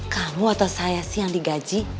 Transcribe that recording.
kamu atau saya sih yang digaji